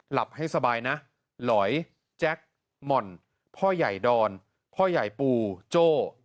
หลับให้สบายนะหลอยแจ็คหม่อนพ่อใหญ่ดอนพ่อใหญ่ปูโจ้